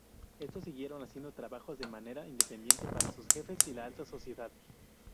Estos siguieron haciendo trabajos de manera independiente para sus jefes y la alta sociedad.